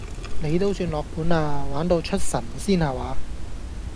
你都算落本喇，玩到出神仙吓話